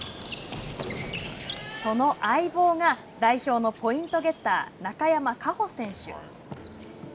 その相棒が、代表のポイントゲッター中山佳穂選手。